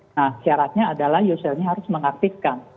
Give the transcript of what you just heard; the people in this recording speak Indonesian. nah syaratnya adalah usernya harus mengaktifkan